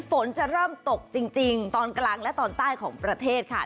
ฝนจะเริ่มตกจริงตอนกลางและตอนใต้ของประเทศค่ะ